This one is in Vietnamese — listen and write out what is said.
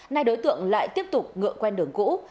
nay đối tượng lại tiếp tục ngựa quen đường cũ